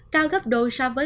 cao gấp đôi so với bốn ba mươi